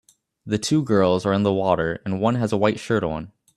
The two girls are in the water and one has a white shirt on